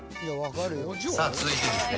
さあ続いてですね